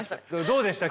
どうでした？